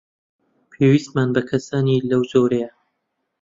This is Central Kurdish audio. پێویستمان بە کەسانی لەو جۆرەیە.